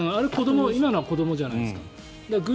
今のは子どもじゃないですか。